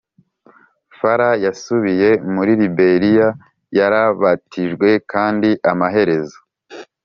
Falla yasubiye muri Liberiya Yarabatijwe kandi amaherezo